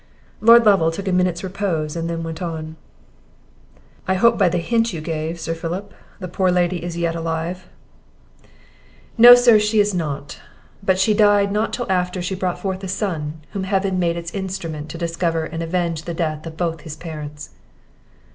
Lord Lovel took a minute's repose, and then went on. "I hope by the hint you gave, Sir Philip, the poor lady is yet alive?" "No, sir, she is not; but she died not till after she brought forth a son, whom Heaven made its instrument to discover and avenge the death of both his parents."